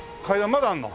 まだあるの？